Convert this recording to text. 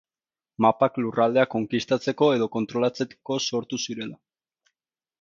Mapak lurraldeak konkistatzeko edo kontrolatzeko sortu zirela.